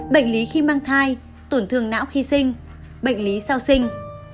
bệnh lý khi mang thai tổn thương não khi sinh bệnh lý sau sinh